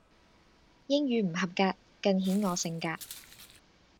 英語唔合格更顯我性格